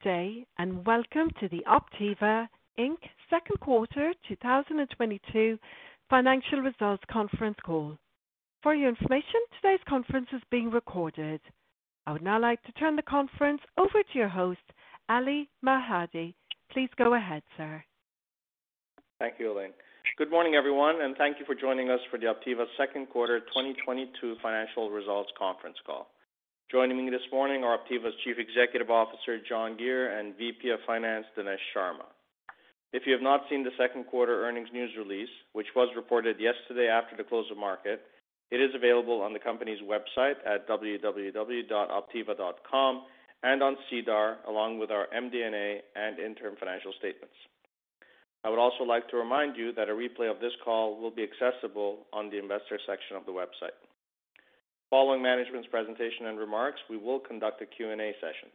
Good day, and welcome to the Optiva Inc. second quarter 2022 financial results conference call. For your information, today's conference is being recorded. I would now like to turn the conference over to your host, Ali Mahdavi. Please go ahead, sir. Thank you, Elaine. Good morning, everyone, and thank you for joining us for the Optiva second quarter 2022 financial results conference call. Joining me this morning are Optiva's Chief Executive Officer, John Giere, and VP of Finance, Dinesh Sharma. If you have not seen the second quarter earnings news release, which was reported yesterday after the close of market, it is available on the company's website at www.optiva.com and on SEDAR, along with our MD&A and interim financial statements. I would also like to remind you that a replay of this call will be accessible on the Investor section of the website. Following management's presentation and remarks, we will conduct a Q&A session.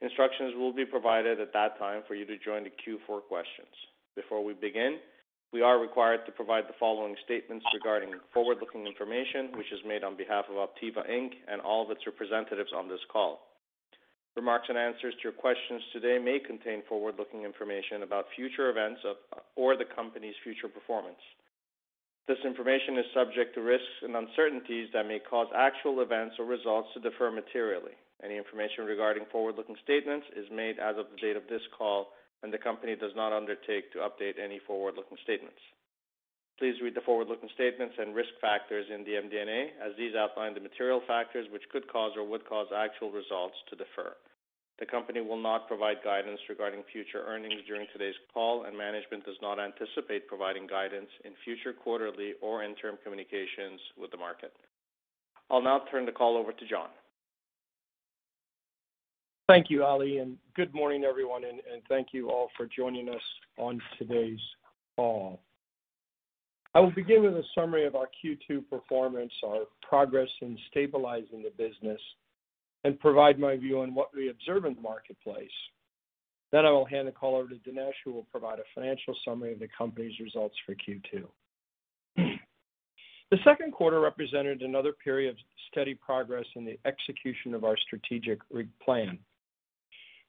Instructions will be provided at that time for you to join the queue for questions. Before we begin, we are required to provide the following statements regarding forward-looking information, which is made on behalf of Optiva Inc. and all of its representatives on this call. Remarks and answers to your questions today may contain forward-looking information about future events or the company's future performance. This information is subject to risks and uncertainties that may cause actual events or results to differ materially. Any information regarding forward-looking statements is made as of the date of this call, and the company does not undertake to update any forward-looking statements. Please read the forward-looking statements and risk factors in the MD&A as these outline the material factors which could cause or would cause actual results to differ. The company will not provide guidance regarding future earnings during today's call, and management does not anticipate providing guidance in future quarterly or interim communications with the market. I'll now turn the call over to John. Thank you, Ali, and good morning, everyone, and thank you all for joining us on today's call. I will begin with a summary of our Q2 performance, our progress in stabilizing the business, and provide my view on what we observe in the marketplace. I will hand the call over to Dinesh, who will provide a financial summary of the company's results for Q2. The second quarter represented another period of steady progress in the execution of our strategic re-plan.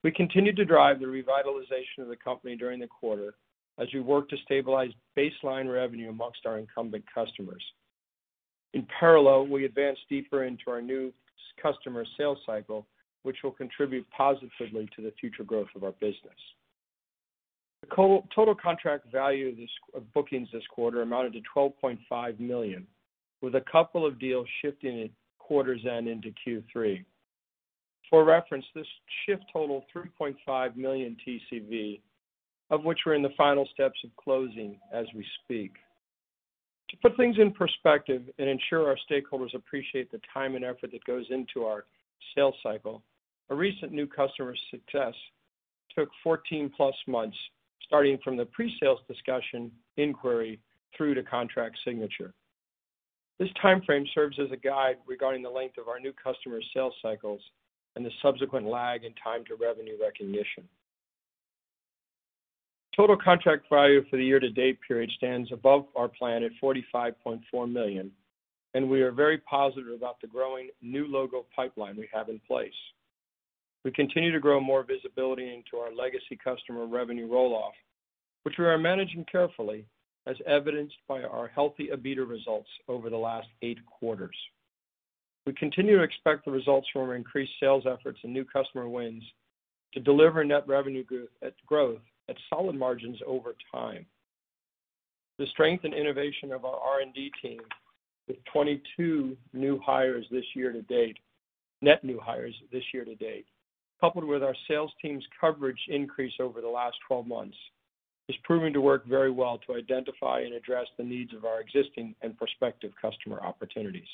We continued to drive the revitalization of the company during the quarter as we worked to stabilize baseline revenue among our incumbent customers. In parallel, we advanced deeper into our new customer sales cycle, which will contribute positively to the future growth of our business. The total contract value of bookings this quarter amounted to $12.5 million, with a couple of deals shifting at quarter's end into Q3. For reference, this shift totaled $3.5 million TCV, of which we're in the final steps of closing as we speak. To put things in perspective and ensure our stakeholders appreciate the time and effort that goes into our sales cycle, a recent new customer success took 14+ months, starting from the pre-sales discussion inquiry through to contract signature. This timeframe serves as a guide regarding the length of our new customer sales cycles and the subsequent lag in time to revenue recognition. Total contract value for the year-to-date period stands above our plan at $45.4 million, and we are very positive about the growing new logo pipeline we have in place. We continue to grow more visibility into our legacy customer revenue roll-off, which we are managing carefully, as evidenced by our healthy EBITDA results over the last eight quarters. We continue to expect the results from our increased sales efforts and new customer wins to deliver net revenue growth at solid margins over time. The strength and innovation of our R&D team with 22 net new hires this year-to-date, coupled with our sales team's coverage increase over the last 12 months, is proving to work very well to identify and address the needs of our existing and prospective customer opportunities.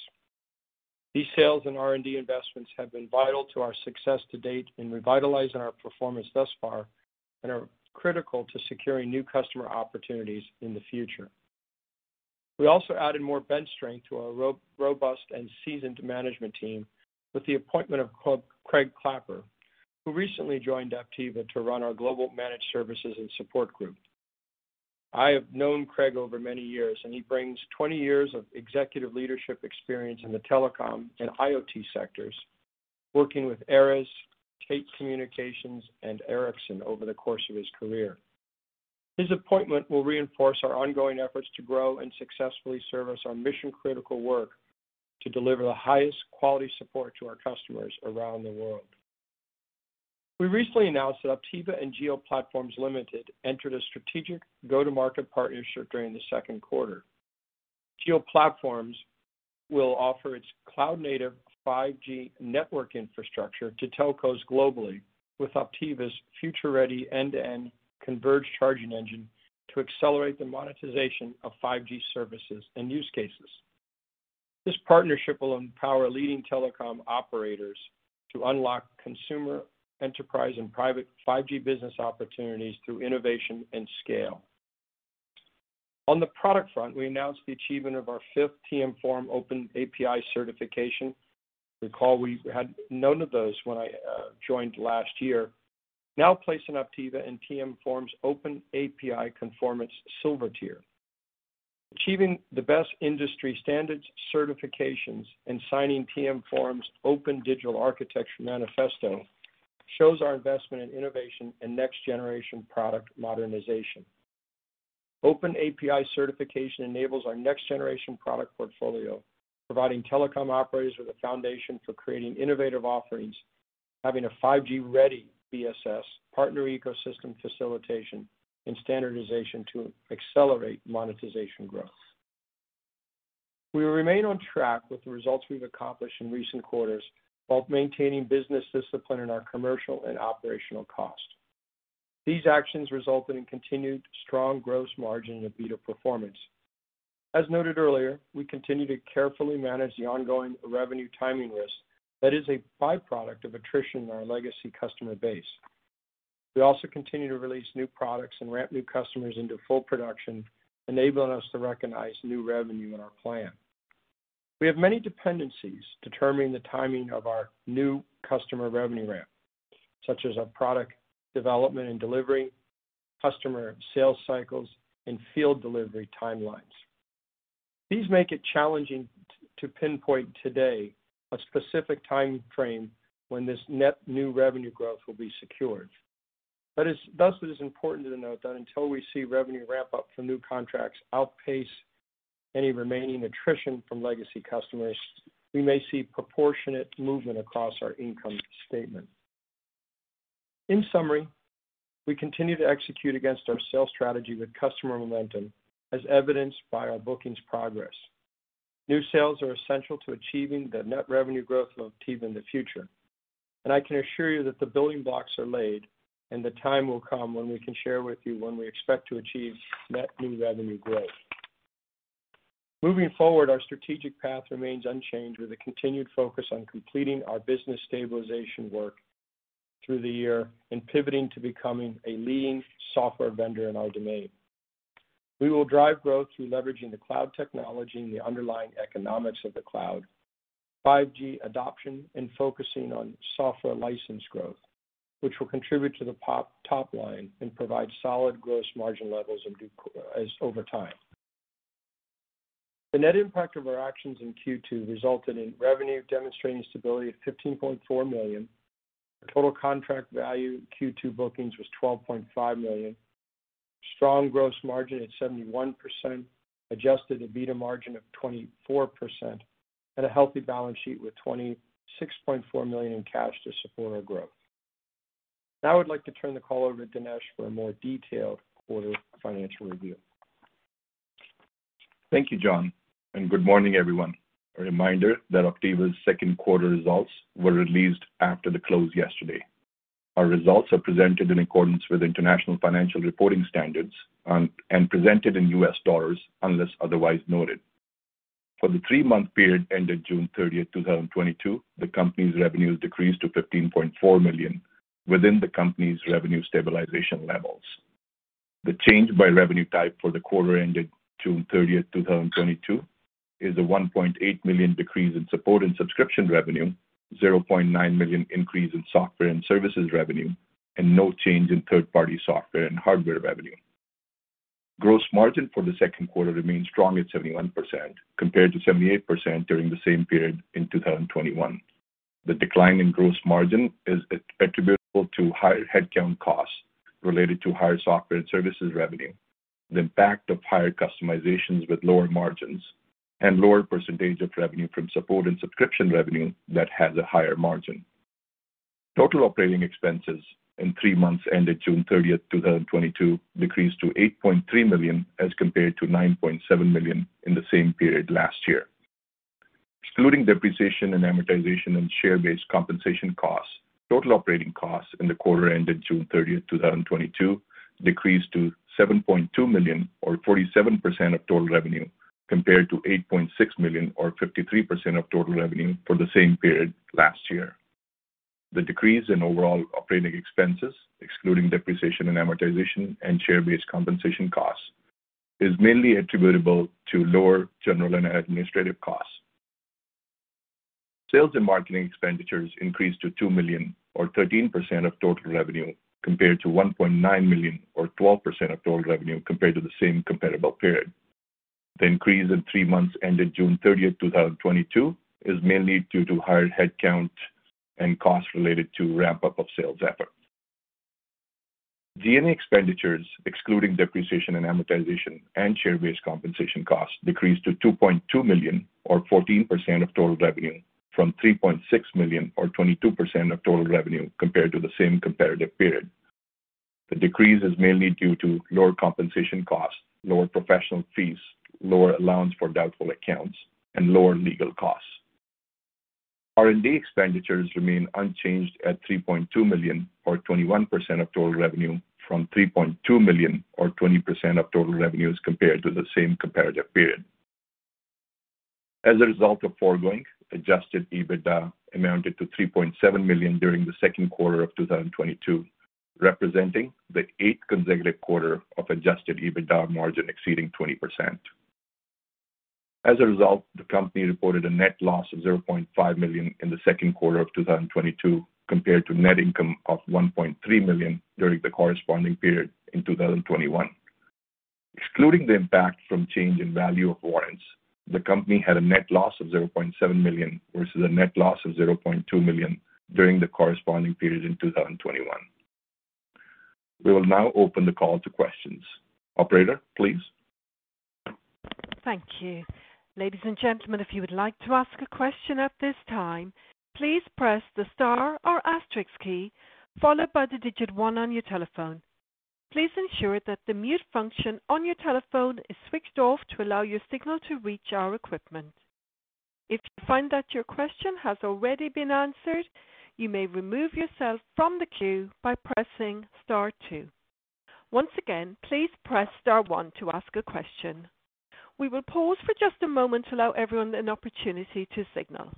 These sales and R&D investments have been vital to our success to date in revitalizing our performance thus far and are critical to securing new customer opportunities in the future. We also added more bench strength to our robust and seasoned management team with the appointment of Craig Clapper, who recently joined Optiva to run our global managed services and support group. I have known Craig over many years, and he brings 20 years of executive leadership experience in the telecom and IoT sectors, working with Aeris, Tait Communications, and Ericsson over the course of his career. His appointment will reinforce our ongoing efforts to grow and successfully service our mission-critical work to deliver the highest quality support to our customers around the world. We recently announced that Optiva and Jio Platforms Limited entered a strategic go-to-market partnership during the second quarter. Jio Platforms will offer its cloud-native 5G network infrastructure to telcos globally with Optiva's future-ready end-to-end converged charging engine to accelerate the monetization of 5G services and use cases. This partnership will empower leading telecom operators to unlock consumer enterprise and private 5G business opportunities through innovation and scale. On the product front, we announced the achievement of our fifth TM Forum Open API certification. Recall we had none of those when I joined last year. Now placing Optiva in TM Forum's Open API Conformance Silver tier. Achieving the best industry standards certifications and signing TM Forum's Open Digital Architecture manifesto shows our investment in innovation and next generation product modernization. Open API certification enables our next generation product portfolio, providing telecom operators with a foundation for creating innovative offerings, having a 5G ready BSS, partner ecosystem facilitation, and standardization to accelerate monetization growth. We remain on track with the results we've accomplished in recent quarters, while maintaining business discipline in our commercial and operational costs. These actions resulted in continued strong gross margin and EBITDA performance. As noted earlier, we continue to carefully manage the ongoing revenue timing risk that is a by-product of attrition in our legacy customer base. We also continue to release new products and ramp new customers into full production, enabling us to recognize new revenue in our plan. We have many dependencies determining the timing of our new customer revenue ramp, such as our product development and delivery, customer sales cycles, and field delivery timelines. These make it challenging to pinpoint today a specific timeframe when this net new revenue growth will be secured. Thus it is important to note that until we see revenue ramp-up from new contracts outpace any remaining attrition from legacy customers, we may see proportionate movement across our income statement. In summary, we continue to execute against our sales strategy with customer momentum, as evidenced by our bookings progress. New sales are essential to achieving the net revenue growth we'll achieve in the future, and I can assure you that the building blocks are laid, and the time will come when we can share with you when we expect to achieve net new revenue growth. Moving forward, our strategic path remains unchanged with a continued focus on completing our business stabilization work through the year and pivoting to becoming a leading software vendor in our domain. We will drive growth through leveraging the cloud technology and the underlying economics of the cloud, 5G adoption, and focusing on software license growth, which will contribute to the top line and provide solid gross margin levels in due course over time. The net impact of our actions in Q2 resulted in revenue demonstrating stability of $15.4 million. Total contract value in Q2 bookings was $12.5 million. Strong gross margin at 71%, adjusted EBITDA margin of 24%, and a healthy balance sheet with $26.4 million in cash to support our growth. Now I'd like to turn the call over to Dinesh for a more detailed quarter financial review. Thank you, John, and good morning, everyone. A reminder that Optiva's second quarter results were released after the close yesterday. Our results are presented in accordance with International Financial Reporting Standards and presented in US dollars, unless otherwise noted. For the three-month period ended June 30, 2022, the company's revenues decreased to $15.4 million within the company's revenue stabilization levels. The change by revenue type for the quarter ended June 30, 2022, is a $1.8 million decrease in support and subscription revenue, $0.9 million increase in software and services revenue, and no change in third-party software and hardware revenue. Gross margin for the second quarter remains strong at 71%, compared to 78% during the same period in 2021. The decline in gross margin is attributable to higher headcount costs related to higher software and services revenue, the impact of higher customizations with lower margins, and lower percentage of revenue from support and subscription revenue that has a higher margin. Total operating expenses in three months ended June 30, 2022, decreased to $8.3 million as compared to $9.7 million in the same period last year. Excluding depreciation and amortization and share-based compensation costs, total operating costs in the quarter ended June 30, 2022, decreased to $7.2 million or 47% of total revenue, compared to $8.6 million or 53% of total revenue for the same period last year. The decrease in overall operating expenses, excluding depreciation and amortization and share-based compensation costs, is mainly attributable to lower general and administrative costs. Sales and marketing expenditures increased to $2 million or 13% of total revenue, compared to $1.9 million or 12% of total revenue compared to the same comparable period. The increase in three months ended June 30, 2022, is mainly due to higher headcount and costs related to ramp-up of sales effort. G&A expenditures, excluding depreciation and amortization and share-based compensation costs, decreased to $2.2 million or 14% of total revenue from $3.6 million or 22% of total revenue compared to the same comparative period. The decrease is mainly due to lower compensation costs, lower professional fees, lower allowance for doubtful accounts, and lower legal costs. R&D expenditures remain unchanged at $3.2 million or 21% of total revenue from $3.2 million or 20% of total revenues compared to the same comparative period. As a result of foregoing, adjusted EBITDA amounted to $3.7 million during the second quarter of 2022, representing the eigth consecutive quarter of adjusted EBITDA margin exceeding 20%. As a result, the company reported a net loss of $0.5 million in the second quarter of 2022, compared to net income of $1.3 million during the corresponding period in 2021. Excluding the impact from change in value of warrants, the company had a net loss of $0.7 million versus a net loss of $0.2 million during the corresponding period in 2021. We will now open the call to questions. Operator, please? Thank you. Ladies and gentlemen, if you would like to ask a question at this time, please press the star or asterisk key followed by the digit one on your telephone. Please ensure that the mute function on your telephone is switched off to allow your signal to reach our equipment. If you find that your question has already been answered, you may remove yourself from the queue by pressing star two. Once again, please press star one to ask a question. We will pause for just a moment to allow everyone an opportunity to signal.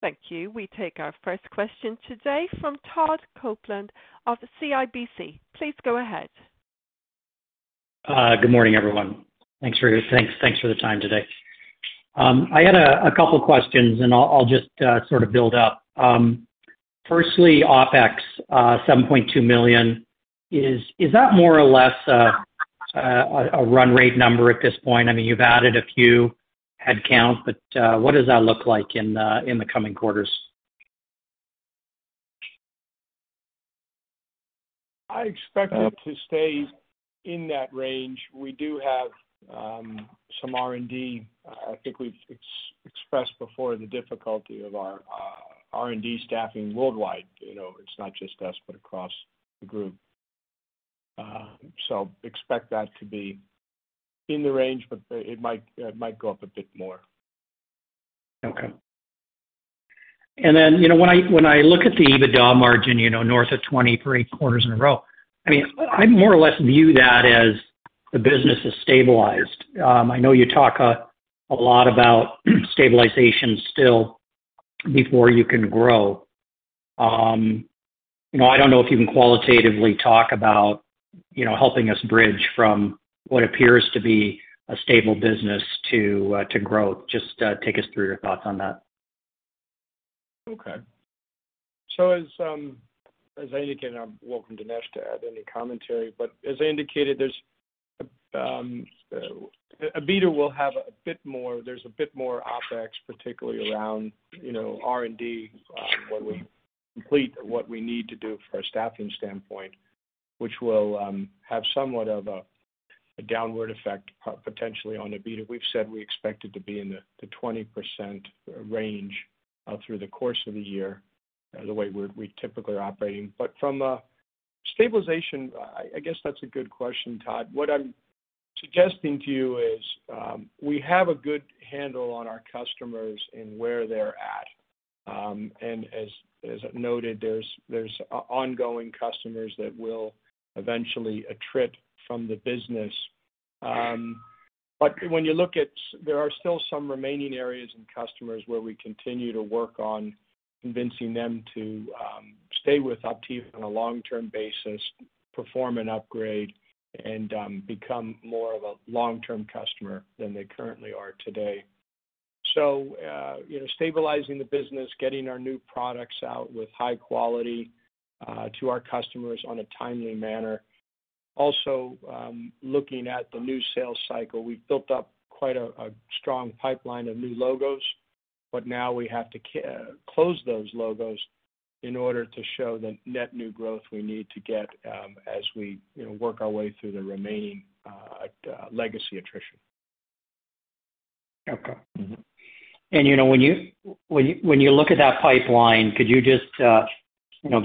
Thank you. We take our first question today from Todd Coupland of CIBC. Please go ahead. Good morning, everyone. Thanks for the time today. I had a couple questions, and I'll just sort of build up. Firstly, OPEX $7.2 million. Is that more or less a run rate number at this point? I mean, you've added a few headcount, but what does that look like in the coming quarters? I expect it to stay in that range. We do have some R&D. I think we've expressed before the difficulty of our R&D staffing worldwide. You know, it's not just us, but across the group. Expect that to be in the range, but it might go up a bit more. Okay. When I look at the EBITDA margin, you know, north of 20% for eight quarters in a row, I mean, I more or less view that as the business has stabilized. I know you talk a lot about stabilization still before you can grow. You know, I don't know if you can qualitatively talk about, you know, helping us bridge from what appears to be a stable business to growth. Just take us through your thoughts on that. Okay. As I indicated, I welcome Dinesh to add any commentary, but as I indicated, EBITDA will have more— there's a bit more OpEx, particularly around, you know, R&D, when we complete what we need to do from a staffing standpoint, which will have somewhat of a downward effect potentially on EBITDA. We've said we expect it to be in the 20% range through the course of the year, the way we're typically operating. From a stabilization, I guess that's a good question, Todd. What I'm suggesting to you is, we have a good handle on our customers and where they're at. As noted, there's ongoing customers that will eventually attrit from the business. When you look at— There are still some remaining areas and customers where we continue to work on convincing them to stay with Optiva on a long-term basis, perform an upgrade, and become more of a long-term customer than they currently are today. You know, stabilizing the business, getting our new products out with high quality to our customers in a timely manner. Also, looking at the new sales cycle. We've built up quite a strong pipeline of new logos, but now we have to close those logos in order to show the net new growth we need to get, as we you know, work our way through the remaining legacy attrition. You know, when you look at that pipeline, could you just, you know,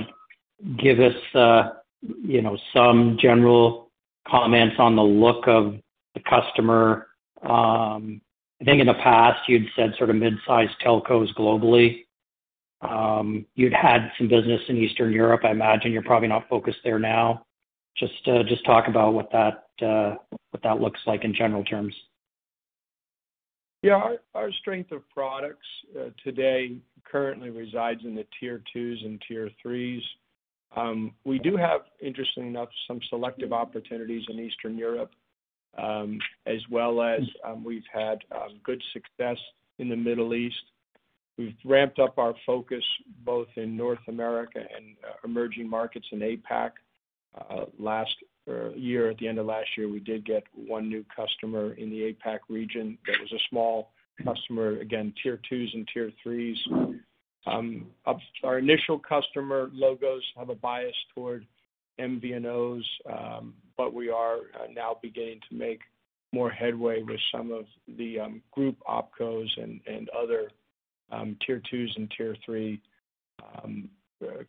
give us, you know, some general comments on the look of the customer? I think in the past you'd said sort of mid-size telcos globally. You'd had some business in Eastern Europe. I imagine you're probably not focused there now. Just talk about what that looks like in general terms. Yeah. Our strength of products today currently resides in the tier twos and tier threes. We do have, interesting enough, some selective opportunities in Eastern Europe, as well as, we've had good success in the Middle East. We've ramped up our focus both in North America and emerging markets in APAC. Last year, at the end of last year, we did get one new customer in the APAC region that was a small customer. Again, tier twos and tier threes. Our initial customer logos have a bias toward MVNOs, but we are now beginning to make more headway with some of the group OpCos and other tier two and tier three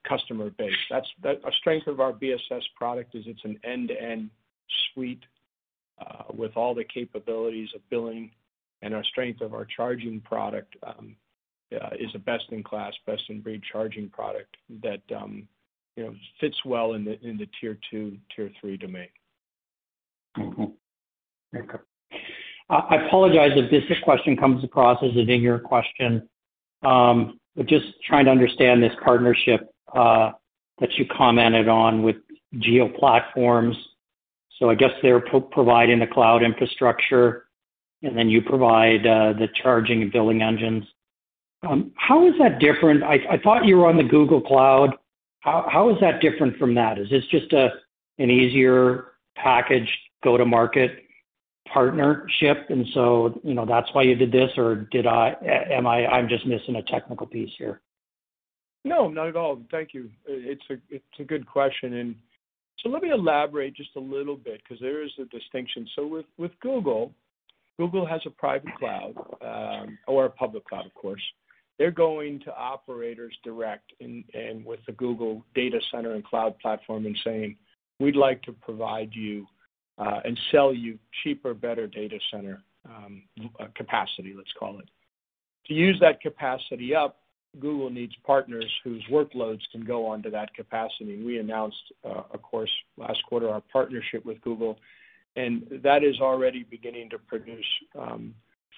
customer base. The strength of our BSS product is it's an end-to-end suite with all the capabilities of billing, and our strength of our charging product is a best-in-class, best-in-breed charging product that you know fits well in the tier two, tier three domain. I apologize if this question comes across as an ignorant question. Just trying to understand this partnership that you commented on with Jio Platforms. I guess they're providing the cloud infrastructure, and then you provide the charging and billing engines. How is that different? I thought you were on the Google Cloud. How is that different from that? Is this just an easier packaged go-to-market partnership, and so, you know, that's why you did this? Or I'm just missing a technical piece here. No, not at all. Thank you. It's a good question. Let me elaborate just a little bit because there is a distinction. With Google, Google has a private cloud or a public cloud, of course. They're going to operators directly and with the Google data center and Cloud Platform and saying, "We'd like to provide you and sell you cheaper, better data center capacity," let's call it. To use that capacity up, Google needs partners whose workloads can go onto that capacity. We announced, of course, last quarter, our partnership with Google, and that is already beginning to produce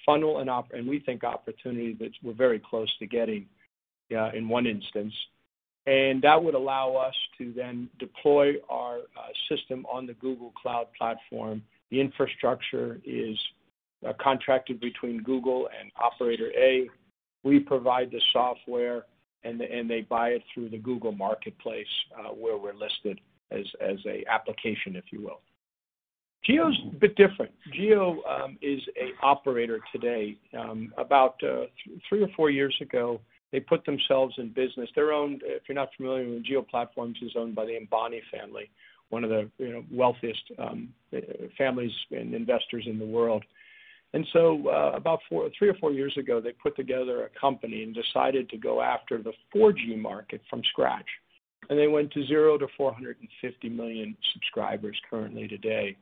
funnel and we think opportunity that we're very close to getting in one instance. That would allow us to then deploy our system on the Google Cloud Platform. The infrastructure is contracted between Google and operator A. We provide the software and they buy it through the Google Cloud Marketplace, where we're listed as a application, if you will. Jio's a bit different. Jio is a operator today. About three or four years ago, they put themselves in business. They're owned, if you're not familiar with Jio Platforms, it's owned by the Ambani family, one of the wealthiest families and investors in the world. About three or four years ago, they put together a company and decided to go after the 4G market from scratch, and they went to zero to 450 million subscribers currently today.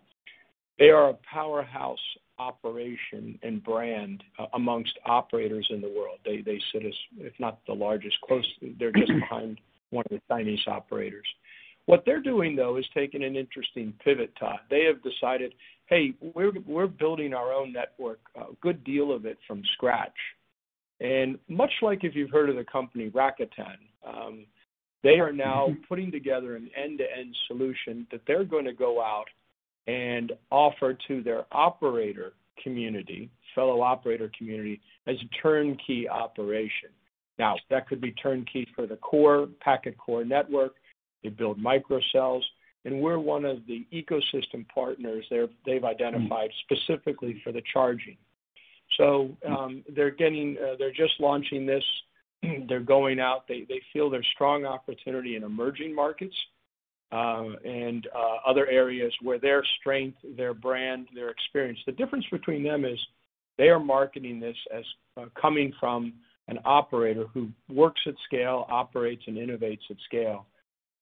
They are a powerhouse operation and brand among operators in the world. They sit as, if not the largest, closely. They're just behind one of the Chinese operators. What they're doing, though, is taking an interesting pivot, Todd. They have decided, "Hey, we're building our own network, a good deal of it from scratch." Much like if you've heard of the company Rakuten, they are now putting together an end-to-end solution that they're gonna go out and offer to their operator community, fellow operator community, as a turnkey operation. Now, that could be turnkey for the core, packet core network. They build microcells, and we're one of the ecosystem partners they've identified specifically for the charging. So, they're just launching this. They're going out. They feel there's strong opportunity in emerging markets, and other areas where their strength, their brand, their experience. The difference between them is they are marketing this as coming from an operator who works at scale, operates and innovates at scale.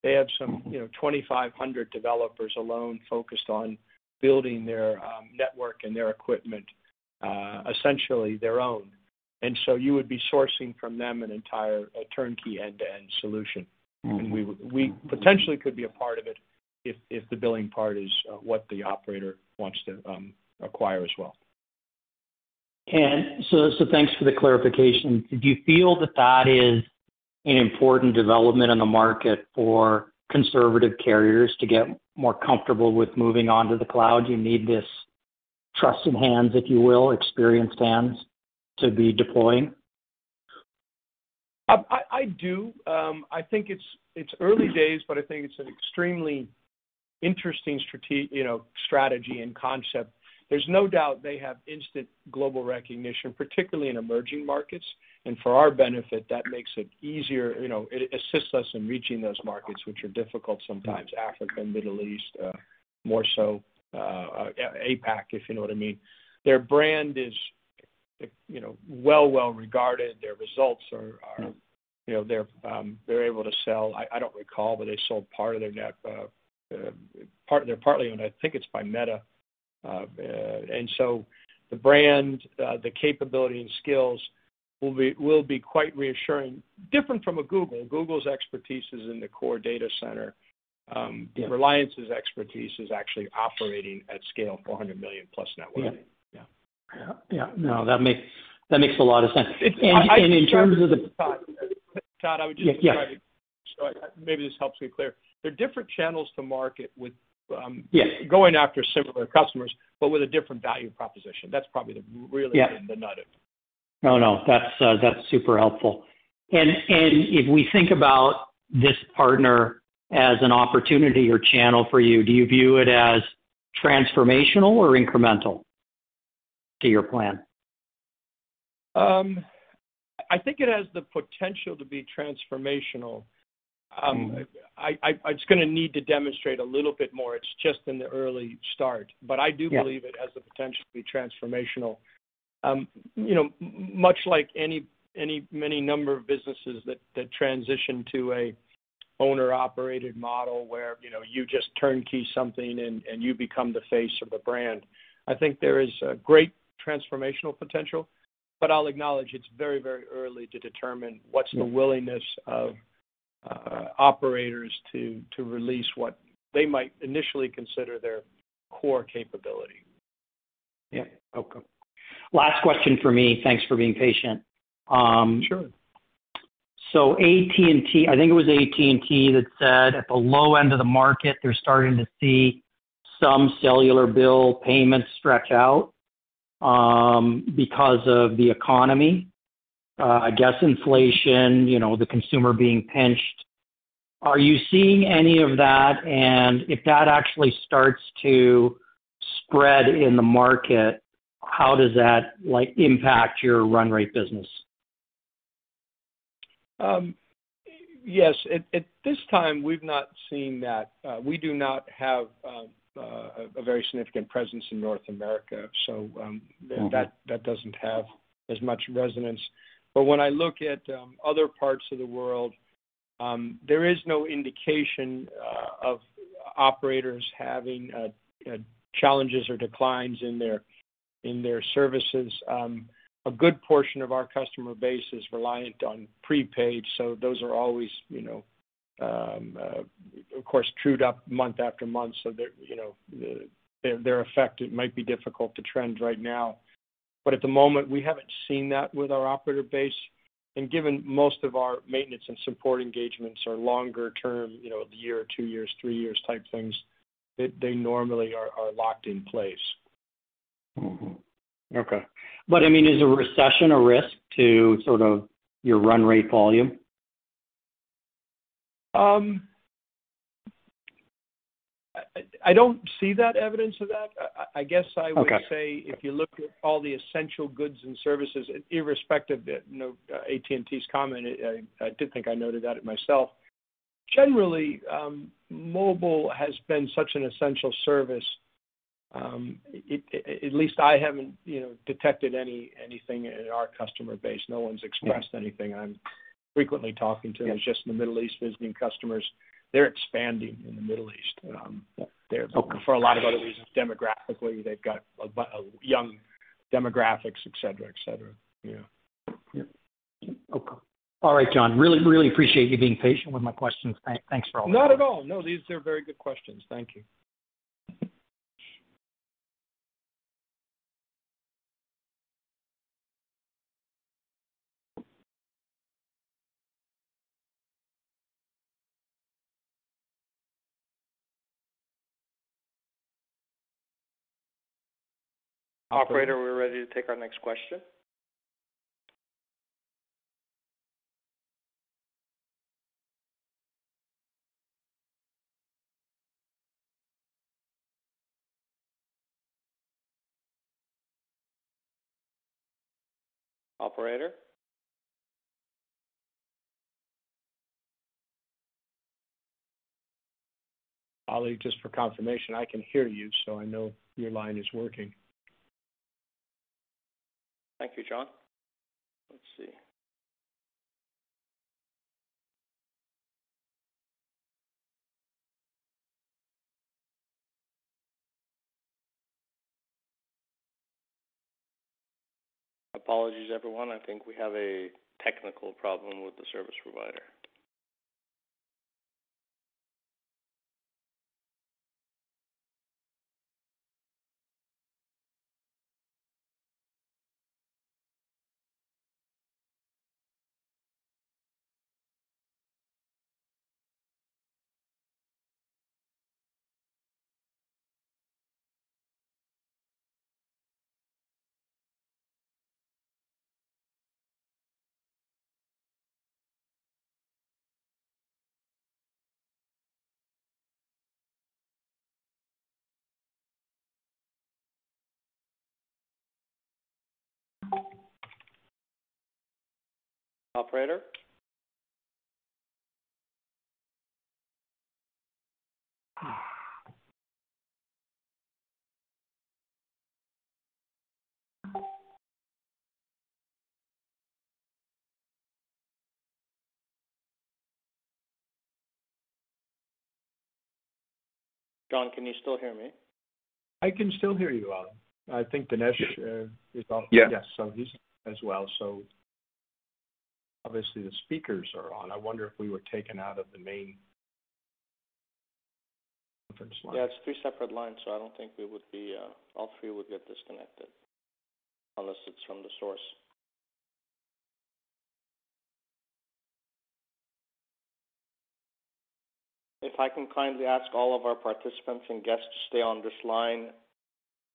They have some, you know, 2,500 developers alone focused on building their network and their equipment, essentially their own. You would be sourcing from them an entire, a turnkey end-to-end solution. We potentially could be a part of it if the billing part is what the operator wants to acquire as well. Thanks for the clarification. Do you feel that is an important development in the market for conservative carriers to get more comfortable with moving on to the cloud? You need this trusted hands, if you will, experienced hands to be deploying? I do. I think it's early days, but I think it's an extremely interesting strategy and concept. There's no doubt they have instant global recognition, particularly in emerging markets. For our benefit, that makes it easier. You know, it assists us in reaching those markets, which are difficult sometimes, Africa and Middle East, more so, APAC, if you know what I mean. Their brand is, you know, well, well regarded. Their results are, you know, they're able to sell. I don't recall, but they're partly owned, I think it's by Meta. The brand, the capability and skills will be quite reassuring. Different from a Google. Google's expertise is in the core data center. Reliance's expertise is actually operating at scale, 400 million+ network. Yeah. No, that makes a lot of sense. In terms of the- Maybe this helps to be clear. They're different channels to market with going after similar customers, but with a different value proposition. That's probably the— really the nut of it. No, no, that's super helpful. If we think about this partner as an opportunity or channel for you, do you view it as transformational or incremental to your plan? I think it has the potential to be transformational. It's gonna need to demonstrate a little bit more. It's just in the early start. I do believe it has the potential to be transformational. You know, much like any— many number of businesses that transition to an owner-operated model where, you know, you just turnkey something and you become the face of the brand. I think there is a great transformational potential, but I'll acknowledge it's very, very early to determine what's the willingness of operators to release what they might initially consider their core capability. Yeah. Okay. Last question for me. Thanks for being patient. AT&T, I think it was AT&T that said at the low end of the market, they're starting to see some cellular bill payments stretch out, because of the economy. I guess inflation, you know, the consumer being pinched. Are you seeing any of that? If that actually starts to spread in the market, how does that, like, impact your run rate business? Yes. At this time, we've not seen that. We do not have a very significant presence in North America, so that doesn't have as much resonance. When I look at other parts of the world, there is no indication of operators having challenges or declines in their services. A good portion of our customer base is reliant on prepaid, so those are always, you know, of course, trued up month after month so that, you know, their effect, it might be difficult to trend right now. At the moment, we haven't seen that with our operator base. Given most of our maintenance and support engagements are longer term, you know, a year, two years, three years type things, they normally are locked in place. I mean, is a recession a risk to sort of your run rate volume? I don't see that evidence of that. I guess I would say if you look at all the essential goods and services, irrespective of that, you know, AT&T's comment, I do think I noted that myself. Generally, mobile has been such an essential service. At least I haven't, you know, detected anything in our customer base. No one's expressed anything I'm frequently talking to. Just in the Middle East, visiting customers. They're expanding in the Middle East. They're— For a lot of other reasons, demographically, they've got a young demographics, et cetera, et cetera. Yeah. Yep. Okay. All right, John. Really, really appreciate you being patient with my questions. Thanks for all. Not at all. No, these are very good questions. Thank you. Operator, we're ready to take our next question. Operator? Ali, just for confirmation, I can hear you, so I know your line is working. Thank you, John. Let's see. Apologies, everyone. I think we have a technical problem with the service provider. Operator? John, can you still hear me? I can still hear you, Ali. I think Dinesh is on. Yes. He's as well. Obviously the speakers are on. I wonder if we were taken out of the main conference line. Yeah, it's three separate lines, so I don't think all three would get disconnected unless it's from the source. If I can kindly ask all of our participants and guests to stay on this line,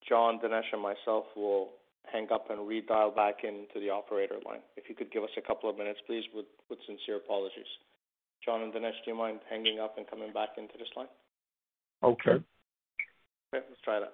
John, Dinesh, and myself will hang up and redial back into the operator line. If you could give us a couple of minutes, please, with sincere apologies. John and Dinesh, do you mind hanging up and coming back into this line? Okay. Okay, let's try that.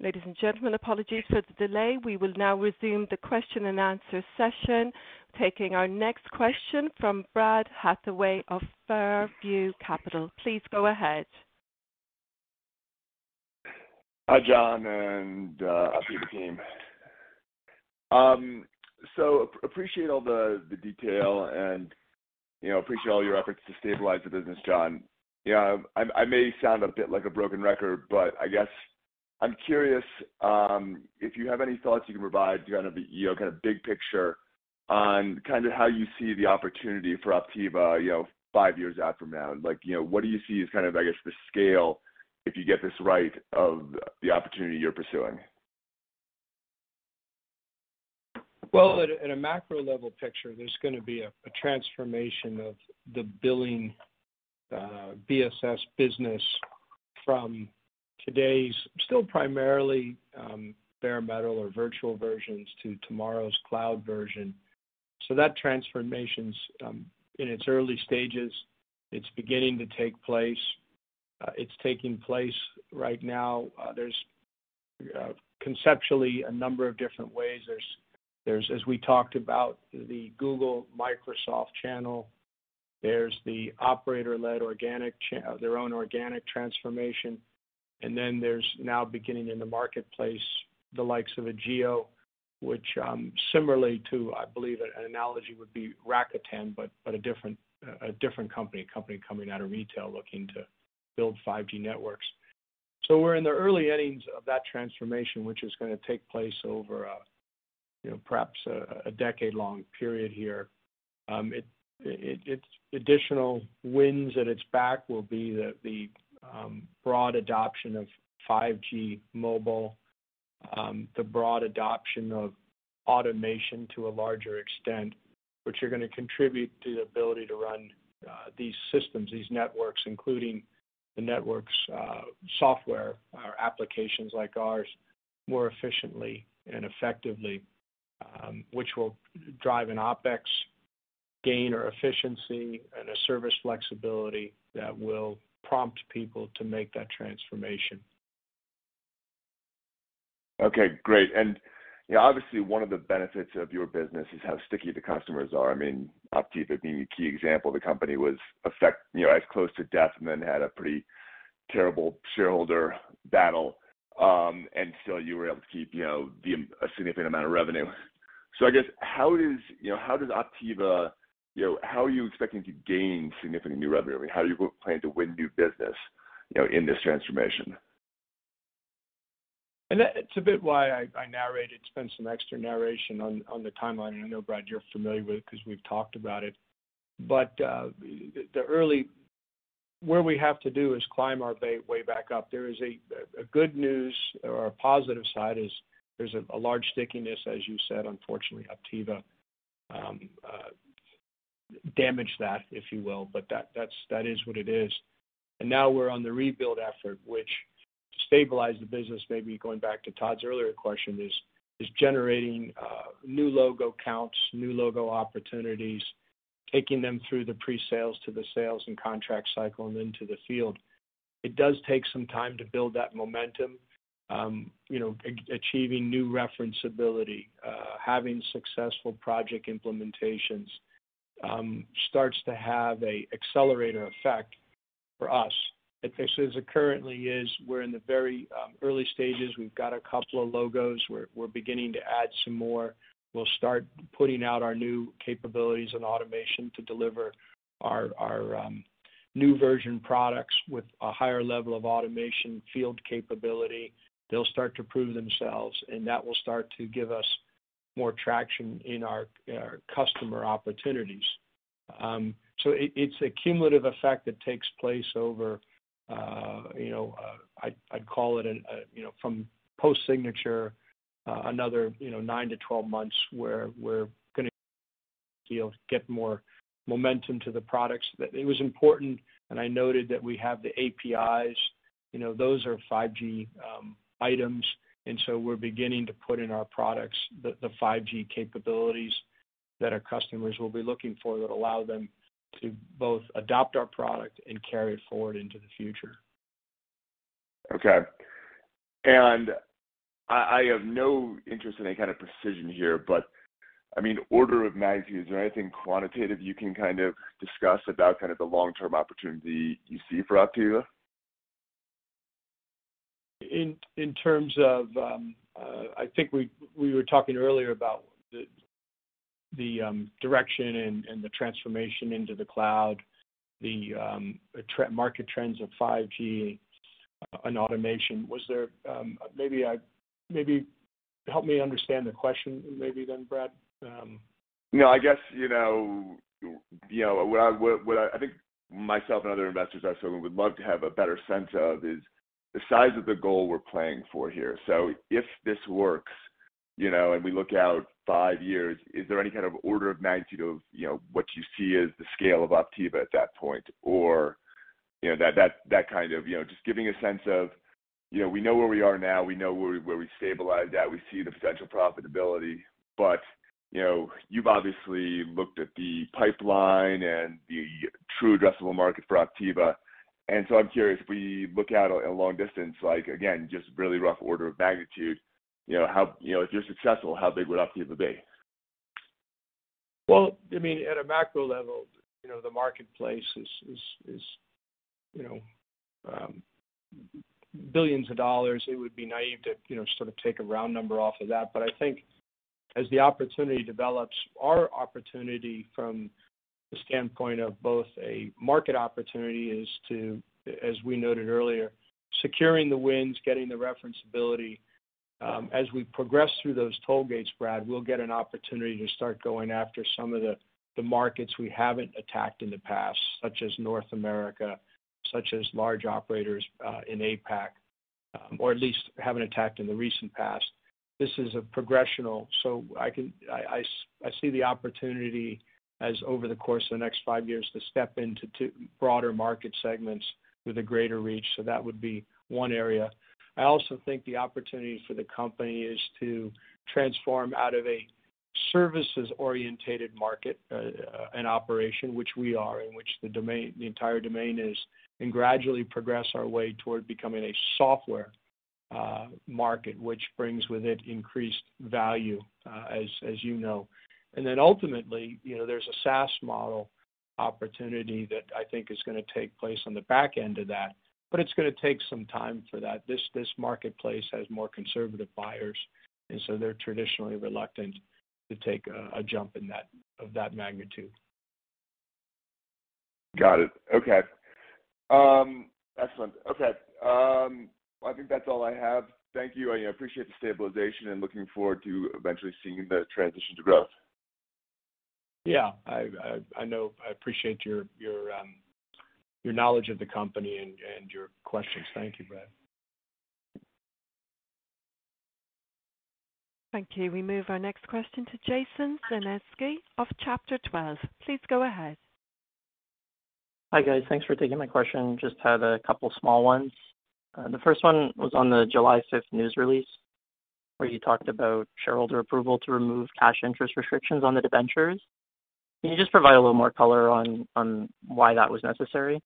Ladies and gentlemen, apologies for the delay. We will now resume the question and answer session. Taking our next question from Brad Hathaway of Far View Capital. Please go ahead. Hi, John, and Optiva team. Appreciate all the detail and, you know, appreciate all your efforts to stabilize the business, John. Yeah, I may sound a bit like a broken record, but I guess I'm curious if you have any thoughts you can provide kind of, you know, kind of big picture on kinda how you see the opportunity for Optiva, you know, five years out from now. Like, you know, what do you see as kind of, I guess, the scale, if you get this right, of the opportunity you're pursuing? Well, at a macro-level picture, there's gonna be a transformation of the billing, BSS business from today's still primarily bare metal or virtual versions to tomorrow's cloud version. That transformation's in its early stages. It's beginning to take place. It's taking place right now. There's conceptually a number of different ways. There's, as we talked about, the Google, Microsoft channel. There's the operator-led organic— their own organic transformation. Then there's now beginning in the marketplace, the likes of a Jio, which, similarly to, I believe an analogy would be Rakuten, but a different company. A company coming out of retail looking to build 5G networks. We're in the early innings of that transformation, which is gonna take place over a, you know, perhaps a decade-long period here. It's additional winds at its back will be the broad adoption of 5G mobile, the broad adoption of automation to a larger extent, which are gonna contribute to the ability to run these systems, these networks, including the network's software or applications like ours more efficiently and effectively, which will drive an OpEx gain or efficiency and a service flexibility that will prompt people to make that transformation. Okay, great. You know, obviously, one of the benefits of your business is how sticky the customers are. I mean, Optiva being a key example, the company was you know, as close to death and then had a pretty terrible shareholder battle. Still you were able to keep, you know, a significant amount of revenue. I guess how does, you know, how does Optiva, you know, how are you expecting to gain significant new revenue? I mean, how do you plan to win new business, you know, in this transformation? That's a bit why I narrated, spent some extra narration on the timeline. I know, Brad, you're familiar with it because we've talked about it. What we have to do is climb our way back up. There is good news or a positive side. There's a large stickiness, as you said. Unfortunately, Optiva damaged that, if you will, but that's what it is. Now we're on the rebuild effort, which to stabilize the business, maybe going back to Todd's earlier question is generating new logo counts, new logo opportunities. Taking them through the pre-sales to the sales and contract cycle and into the field. It does take some time to build that momentum, achieving new referenceability, having successful project implementations, starts to have an accelerator effect for us. As it currently is, we're in the very early stages. We've got a couple of logos. We're beginning to add some more. We'll start putting out our new capabilities and automation to deliver our new version products with a higher level of automation field capability. They'll start to prove themselves, and that will start to give us more traction in our customer opportunities. It's a cumulative effect that takes place over, I'd call it from post-signature another nine-12 months where we're gonna be able to get more momentum to the products. That it was important, and I noted that we have the APIs, you know, those are 5G items, and so we're beginning to put in our products the 5G capabilities that our customers will be looking for that allow them to both adopt our product and carry it forward into the future. Okay. I have no interest in any kind of precision here, but, I mean, order of magnitude, is there anything quantitative you can kind of discuss about kind of the long-term opportunity you see for Optiva? In terms of, I think we were talking earlier about the direction and the transformation into the cloud, the trend, market trends of 5G and automation. Was there— Maybe help me understand the question, maybe then, Brad? No, I guess, you know, what I think myself and other investors are sort of would love to have a better sense of is the size of the goal we're playing for here. If this works, you know, and we look out five years, is there any kind of order of magnitude of, you know, what you see as the scale of Optiva at that point? Or, you know, that kind of, you know, just giving a sense of, you know, we know where we are now, we know where we stabilize at, we see the potential profitability. You know, you've obviously looked at the pipeline and the true addressable market for Optiva. I'm curious, if we look out a long distance, like again, just really rough order of magnitude, you know, how, you know, if you're successful, how big would Optiva be? Well, I mean, at a macro level, you know, the marketplace is, you know, billions of dollars. It would be naive to, you know, sort of take a round number off of that. I think as the opportunity develops, our opportunity from the standpoint of both a market opportunity is to, as we noted earlier, securing the wins, getting the referenceability. As we progress through those toll gates, Brad, we'll get an opportunity to start going after some of the markets we haven't attacked in the past, such as North America, such as large operators in APAC, or at least haven't attacked in the recent past. This is a progression, so I see the opportunity as over the course of the next five years to step into broader market segments with a greater reach. That would be one area. I also think the opportunity for the company is to transform out of a services-oriented market, an operation which we are in, which the domain, the entire domain is, and gradually progress our way toward becoming a software market, which brings with it increased value, as you know. Then ultimately, you know, there's a SaaS model opportunity that I think is gonna take place on the back end of that, but it's gonna take some time for that. This marketplace has more conservative buyers, and so they're traditionally reluctant to take a jump of that magnitude. Got it. Okay. Excellent. Okay. I think that's all I have. Thank you. I appreciate the stabilization and looking forward to eventually seeing the transition to growth. Yeah. I know. I appreciate your knowledge of the company and your questions. Thank you, Brad. Thank you. We move our next question to Jason Senensky of Chapter Twelve. Please go ahead. Hi, guys. Thanks for taking my question. Just have a couple small ones. The first one was on the July 5th news release, where you talked about shareholder approval to remove cash interest restrictions on the debentures. Can you just provide a little more color on why that was necessary?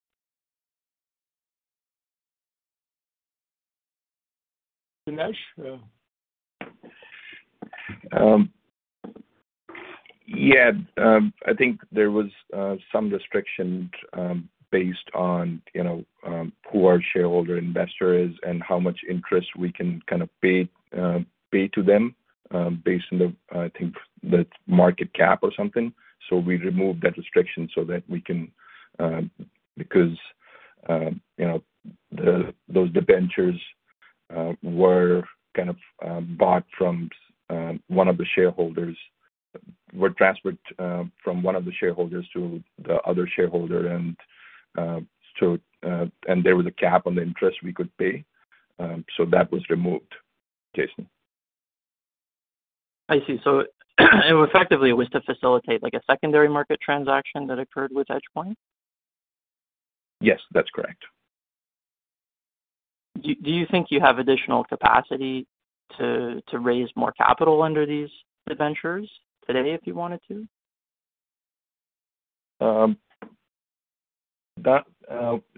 Dinesh? I think there was some restrictions based on, you know, who our shareholder investor is and how much interest we can kinda pay to them based on the, I think, the market cap or something. We removed that restriction so that we can— because, you know, those debentures were kind of bought from one of the shareholders. Were transferred from one of the shareholders to the other shareholder and so and there was a cap on the interest we could pay. That was removed, Jason. I see. Effectively, it was to facilitate like a secondary market transaction that occurred with EdgePoint? Yes, that's correct. Do you think you have additional capacity to raise more capital under these debentures today if you wanted to?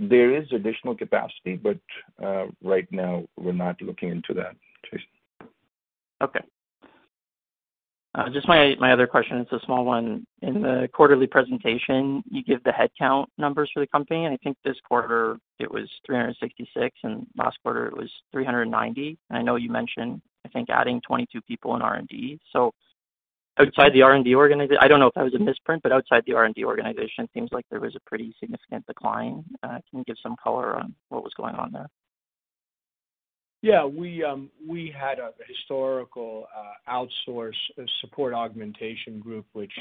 There is additional capacity, but right now we're not looking into that, Jason. Okay. Just my other question, it's a small one. In the quarterly presentation, you give the headcount numbers for the company, and I think this quarter it was 366, and last quarter it was 390. I know you mentioned, I think, adding 22 people in R&D. So outside the R&D organization, I don't know if that was a misprint, but outside the R&D organization, it seems like there was a pretty significant decline. Can you give some color on what was going on there? Yeah. We had a historical outsourced support augmentation group, which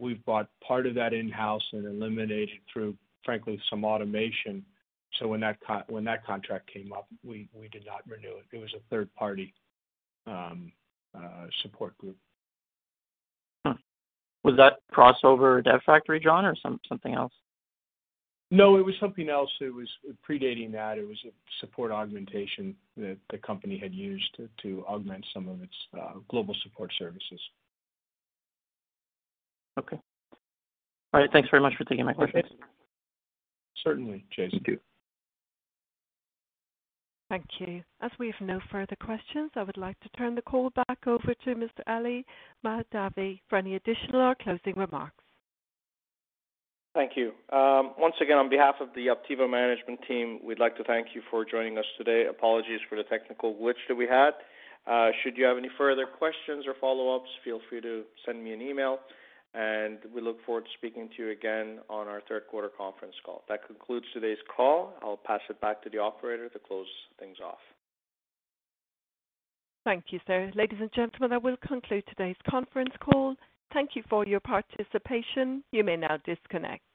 we've brought part of that in-house and eliminated through, frankly, some automation. When that contract came up, we did not renew it. It was a third-party support group. Was that Crossover DevFactory, John, or something else? No, it was something else. It was predating that. It was a support augmentation that the company had used to augment some of its global support services. Okay. All right. Thanks very much for taking my questions. Certainly, Jason. Thank you. As we have no further questions, I would like to turn the call back over to Mr. Ali Mahdavi for any additional or closing remarks. Thank you. Once again, on behalf of the Optiva management team, we'd like to thank you for joining us today. Apologies for the technical glitch that we had. Should you have any further questions or follow-ups, feel free to send me an email, and we look forward to speaking to you again on our third quarter conference call. That concludes today's call. I'll pass it back to the operator to close things off. Thank you, sir. Ladies and gentlemen, that will conclude today's conference call. Thank you for your participation. You may now disconnect.